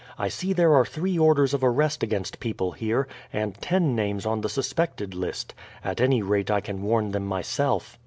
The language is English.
I see there are three orders of arrest against people here, and ten names on the suspected list. At any rate I can warn them myself."